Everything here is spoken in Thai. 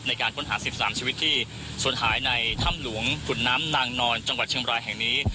ในการค้นหา๑๓ชีวิตที่สนหายในถ้ำหลวงขุนน้ำนางนอนจังหวัดเชียงบรายแห่งนี้